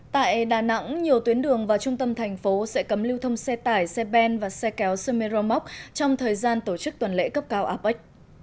tại đà nẵng nhiều tuyến đường và trung tâm thành phố sẽ cấm lưu thông xe tải xe ben và xe kéo semeroc trong thời gian tổ chức tuần lễ cấp cao apec